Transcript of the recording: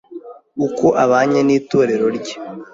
uko abanye n’itorero rye